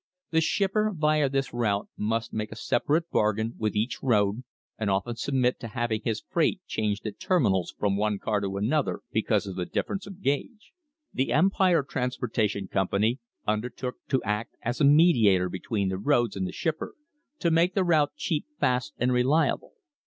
The shipper via this route must make a separate bargain with each road and often submit to having his freight changed at terminals from one car to an other because of the difference of gauge. The Empire Trans portation Company undertook to act as a mediator between the roads and the shipper, to make the route cheap, fast, and reli able.